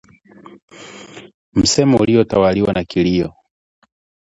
Msemo uliotawaliwa na kilio